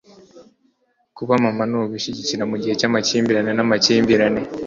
kuba mama nugushyigikira mugihe cyamakimbirane namakimbirane